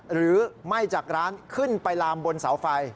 ไหม้จากร้านขึ้นไปลามบนเสาไฟ